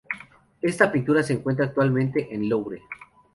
Esta pintura se encuentra actualmente en el Louvre.